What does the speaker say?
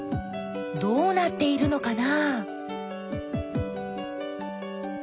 どうなっているのかな？